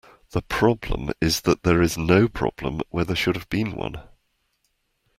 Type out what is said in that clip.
The problem is that there is no problem when there should have been one.